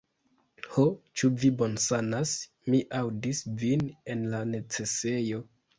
"Ho, ĉu vi bonsanas? Mi aŭdis vin en la necesejo!"